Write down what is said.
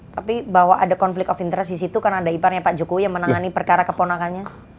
tapi bahwa ada konflik of interest di situ karena ada iparnya pak jokowi yang menangani perkara keponakannya